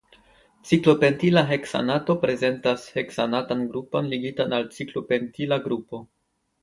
Ciklopentila heksanato prezentas heksanatan grupon ligitan al ciklopentila grupo.